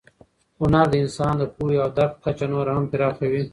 هنر د انسان د پوهې او درک کچه نوره هم پراخوي.